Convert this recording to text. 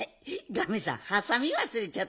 ガメさんはさみわすれちゃったわ。